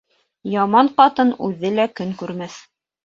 Яман ҡатын үҙе лә көн күрмәҫ